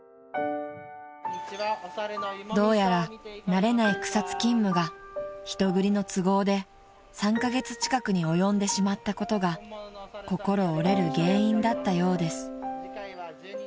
［どうやら慣れない草津勤務が人繰りの都合で３カ月近くに及んでしまったことが心折れる原因だったようです］